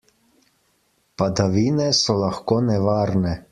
Padavine so lahko nevarne.